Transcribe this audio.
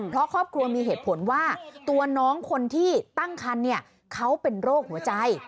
เพราะครอบครัวมีเหตุผลว่าตัวน้องคนที่ตั้งคันเขาเป็นโรคหัวใจ